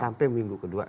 sampai minggu ke dua